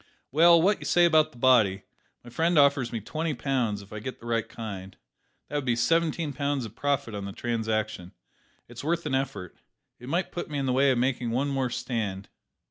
Well, what say you about the body? My friend offers me twenty pounds, if I get the right kind. That would be seventeen pounds of profit on the transaction. It's worth an effort. It might put me in the way of making one more stand."